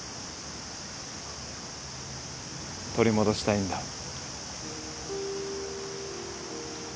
取り戻したいんだ。